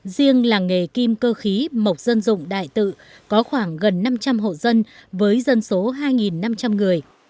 riêng làng nghề kim cơ khí mộc dân dụng đại tự có khoảng gần năm trăm linh hộ dân với dân số hai năm trăm linh người